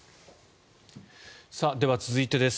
では、続いてです。